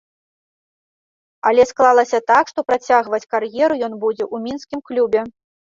Але склалася так, што працягваць кар'еру ён будзе ў мінскім клубе.